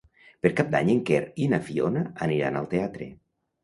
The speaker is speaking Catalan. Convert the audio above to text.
Per Cap d'Any en Quer i na Fiona aniran al teatre.